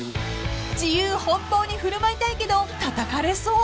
［自由奔放に振る舞いたいけどたたかれそう］